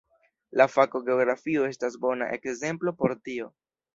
La fako geografio estas bona ekzemplo por tio.